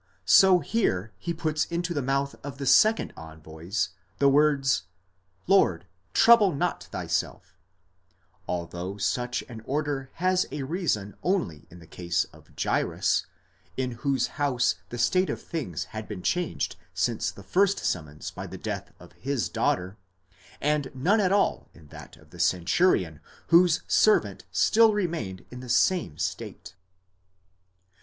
49), so here he puts into the mouth of the second envoys, the words, κύριε μὴ σκύλλου, Lord, trouble not thyself, although such an order has a reason only in the case of Jairus, in whose house the state of things had been changed since the first summons by the death of his daughter, and none at all in that of the centurion whose servant still remained in the same state.